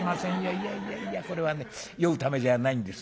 「いやいやいやこれはね酔うためじゃないんです。